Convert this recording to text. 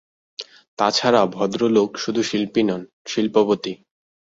তা ছাড়া ভদ্রলোক শুধু শিল্পী নন, শিল্পপতি।